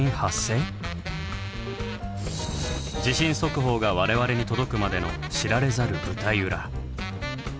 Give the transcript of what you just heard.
地震速報がわれわれに届くまでの知られざる舞台裏。